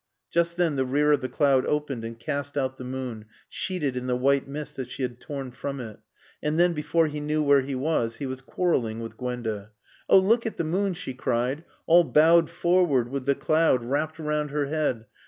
Just then the rear of the cloud opened and cast out the moon, sheeted in the white mist that she had torn from it. And then, before he knew where he was, he was quarreling with Gwenda. "Oh, look at the moon!" she cried. "All bowed forward with the cloud wrapped round her head.